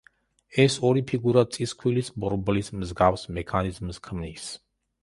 ეს ორი ფიგურა წისქვილის ბორბლის მსგავს მექანიზმს ქმნის.